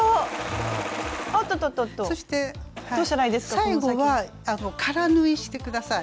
最後は空縫いして下さい。